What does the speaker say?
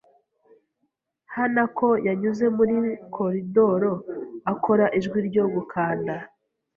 Hanako yanyuze muri koridoro akora ijwi ryo gukanda.